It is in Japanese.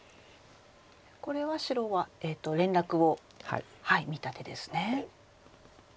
これは白は連絡を見た手ですね。